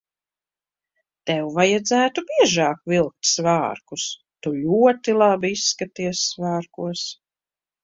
Tev vajadzētu biežāk vilkt svārkus. Tu ļoti labi izskaties svārkos.